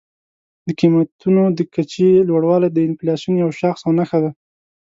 د قیمتونو د کچې لوړوالی د انفلاسیون یو شاخص او نښه ده.